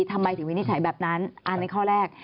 ทำไมถึงวินิจฉัยแบบนั้นอันในข้อแรก